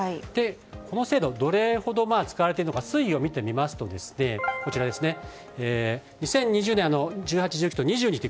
この制度どれほど使われているのか推移を見てみると２０２０年、１８、１９と２０年に